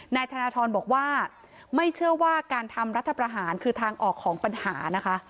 นายธนทรบอกว่าไม่เชื่อว่าการทำรัฐประหารคือทางออกของปัญหานะคะ